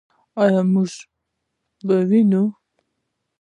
آیا موږ به یې ووینو؟